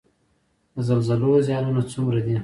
د زلزلو زیانونه څومره دي؟